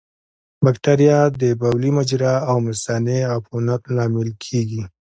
بکتریا د بولي مجرا او مثانې عفونت لامل کېږي.